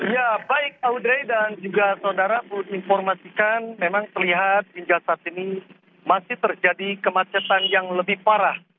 ya baik audrey dan juga saudara informasikan memang terlihat hingga saat ini masih terjadi kemacetan yang lebih parah